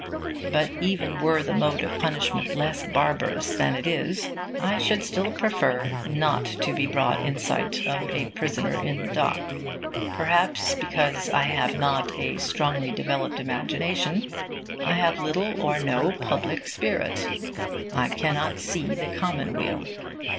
But, even were the mode of punishment less barbarous than it is, I should still prefer not to be brought in sight of a prisoner in the dock. Perhaps because I have not a strongly developed imagination, I have little or no public spirit. I cannot see the commonweal.